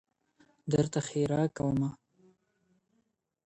درته ښېرا كومه.